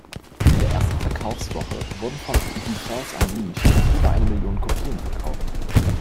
In der ersten Verkaufswoche wurden von "The Force Unleashed" über eine Million Kopien verkauft.